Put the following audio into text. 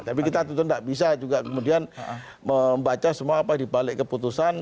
tapi kita tentu tidak bisa juga kemudian membaca semua apa dibalik keputusan